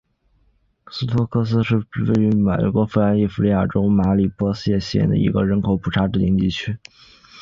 霍尼托斯是位于美国加利福尼亚州马里波萨县的一个人口普查指定地区。